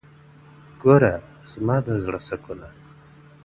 گــــوره زمــا د زړه ســـكــــونـــــه,